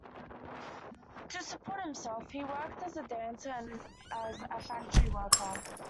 To support himself, he worked as a dancer and as a factory worker.